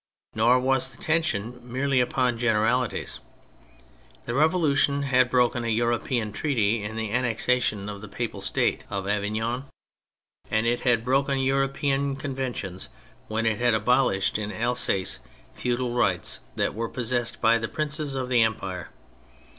Nor was the tension merely upon generali ties. The Revolution had broken a European treaty in the annexation of the Papal State of Avignon, and it had broken European conventions when it had abolished in Alsace feudal rights that were possessed by the princes of the empire.